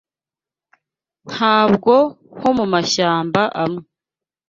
Ntabwo nko mu mashyamba amwe